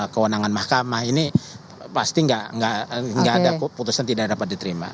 kewenangan mahkamah ini pasti nggak ada putusan tidak dapat diterima